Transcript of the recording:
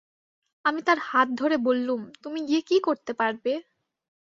আমি তাঁর হাত ধরে বললুম, তুমি গিয়ে কী করতে পারবে?